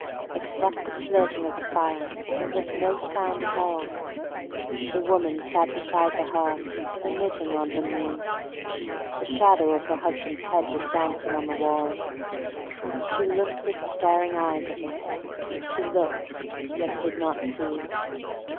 Except the flirting of the fire there was no sound at all; The Woman sat beside the hearth, her knitting on her knee; The shadow of her husband's head was dancing on the wall; She looked with staring eyes at it, she looked yet did not see.